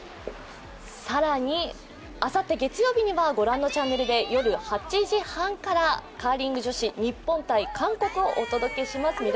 更にあさって月曜日には御覧のチャンネルで夜８時半からカーリング女子日本×韓国があります。